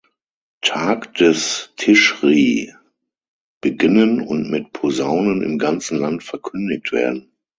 Tag des Tischri, beginnen und mit Posaunen im ganzen Land verkündigt werden.